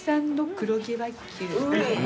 黒毛和牛。